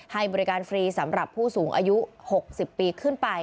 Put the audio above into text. ให้บริการฟรีสำหรับผู้สูงอายุ๖๐ปีขึ้นไป